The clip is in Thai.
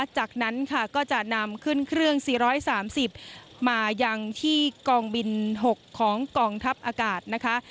จากนั้นค่ะก็จะนำขึ้นเครื่อง๔๓๐มายังที่กองบิน๖ของกองทัพอากาศนะคะ